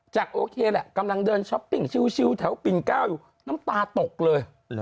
โอเคแหละกำลังเดินช้อปปิ้งชิวแถวปิ่นเก้าอยู่น้ำตาตกเลย